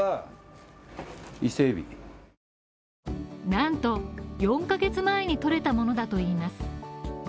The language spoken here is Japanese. なんと４ヶ月前に取れたものだといいます。